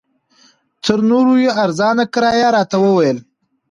تر نورو یې ارزانه کرایه راته وویل.